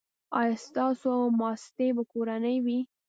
ایا ستاسو ماستې به کورنۍ وي؟